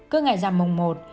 cứ ngày già mồng một